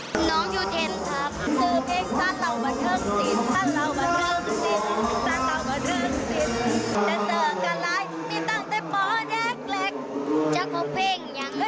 ไปว่ายกับพี่เตาไวยย์หรอกคะ